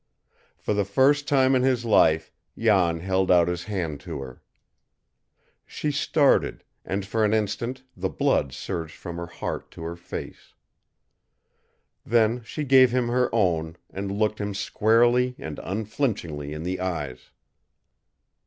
For the first time in his life Jan held out his hand to her. She started, and for an instant the blood surged from her heart to her face. Then she gave him her own and looked him squarely and unflinchingly in the eyes.